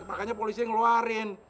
makanya polisnya ngeluarin